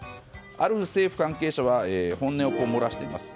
ある政府関係者は本音をこう漏らしています。